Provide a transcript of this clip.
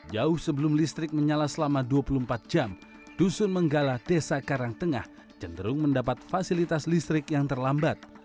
jauh sebelum listrik menyala selama dua puluh empat jam dusun menggala desa karangtengah cenderung mendapat fasilitas listrik yang terlambat